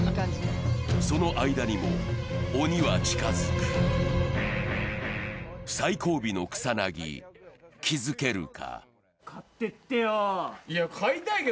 その間にも鬼は近づく最後尾の草薙、気づけるか。